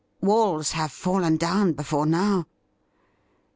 ' Walls have fallen down before now.'